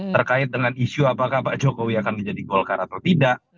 terkait dengan isu apakah pak jokowi akan menjadi golkar atau tidak